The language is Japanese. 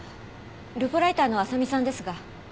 ルポライターの浅見さんですが。